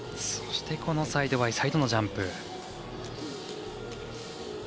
そしてサイドバイサイドのジャンプ。